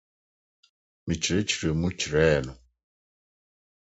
Mekyerɛkyerɛɛ mu kyerɛɛ no.